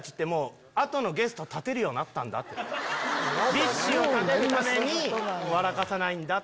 ＢｉＳＨを立てるために笑かさない。